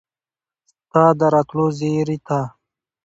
ستا د راتلو زیري ته